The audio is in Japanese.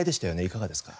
いかがですか？